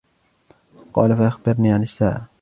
قالَ: فَأَخْبِرْني عَنِ السَّاعةِ.